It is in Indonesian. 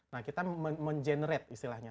nah kita mengenerate istilahnya